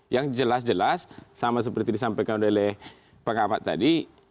yang jelas jelas sama seperti disampaikan oleh pengamat tadi